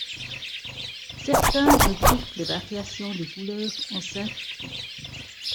Certains regroupent les variations de couleurs en cinq groupes.